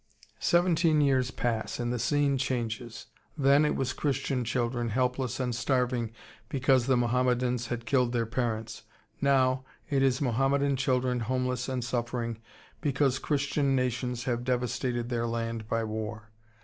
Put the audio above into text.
] Seventeen years pass, and the scene changes. Then it was Christian children, helpless and starving because the Mohammedans had killed their parents. Now it is Mohammedan children homeless and suffering because Christian nations have devastated their land by war.